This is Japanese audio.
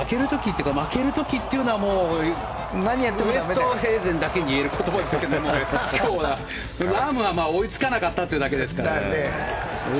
負ける時というのは何をやっても駄目でウーストヘイゼンだけに言える言葉ですけど今日はラームが追いつかなかったというだけですから。